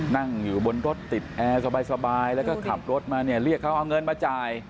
นั่งอยู่บนรถติดแอร์สบายแล้วก็ขับรถมาเนี่ยเรียกเขาเอาเงินมาจ่าย